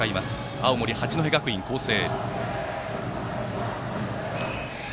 青森・八戸学院光星。